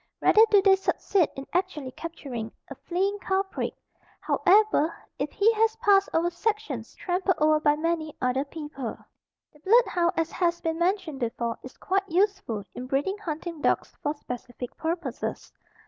Rarely do they succeed in actually capturing a fleeing culprit, however, if he has passed over sections trampled over by many other people. The blood hound, as has been mentioned before, is quite useful in breeding hunting dogs for specific purposes.